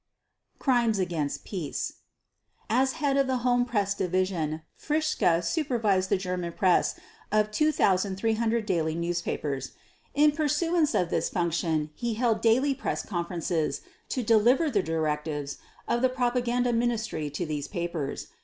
Crimes against Peace As head of the Home Press Division Fritzsche supervised the German press of 2,300 daily newspapers. In pursuance of this function he held daily press conferences to deliver the directives of the Propaganda Ministry to these papers.